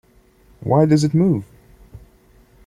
Why does it move?